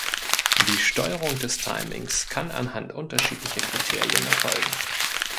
Die Steuerung des Timings kann anhand unterschiedlicher Kriterien erfolgen.